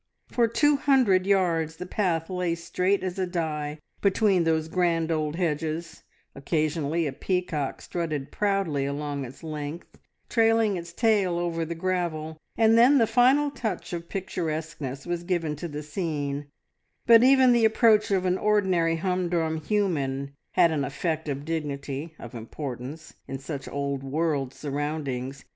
For two hundred yards the path lay straight as a die between those grand old hedges; occasionally a peacock strutted proudly along its length, trailing its tail over the gravel, and then the final touch of picturesqueness was given to the scene, but even the approach of an ordinary humdrum human had an effect of dignity, of importance, in such old world surroundings.